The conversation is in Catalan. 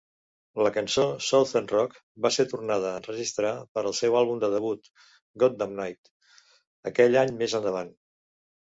La cançó "Southern Rock" va ser tornada a enregistrar per al seu àlbum de debut "Goddamnit" aquell any més endavant.